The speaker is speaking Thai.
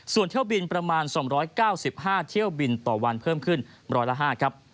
ส่วนเที่ยวบินประมาณ๒๙๕เที่ยวบินต่อวันเพิ่มขึ้นร้อยละ๕ครับ